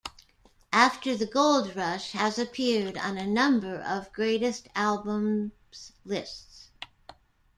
"After the Gold Rush" has appeared on a number of greatest albums lists.